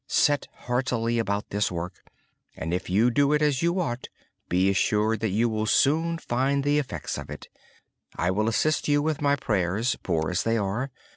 Set heartily about this work, and if you do it sincerely, be assured that you will soon find the effects of it. I will assist you with my prayers, poor as they are.